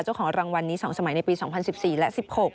เจ้าของรางวัลนี้๒สมัยในปี๒๐๑๔และ๑๖